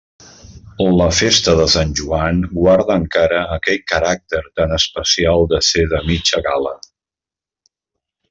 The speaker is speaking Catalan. La festa de Sant Joan guarda encara aquell caràcter tan especial de ser de mitja gala.